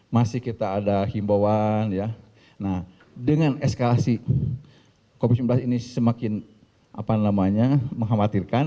masih kita ada himbauan dengan eskalasi covid sembilan belas ini semakin menghematirkan